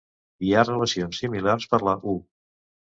Hi ha relacions similars per la "U".